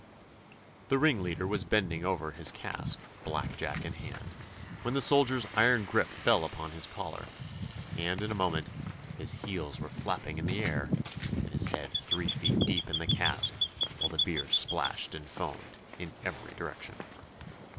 The ringleader was bending over his cask, black jack in hand, when the soldier's iron grip fell upon his collar, and in a moment his heels were flapping in the air, and his head three feet deep in the cask, while the beer splashed and foamed in every direction.